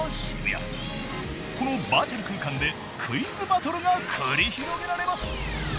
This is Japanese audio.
このバーチャル空間でクイズバトルが繰り広げられます。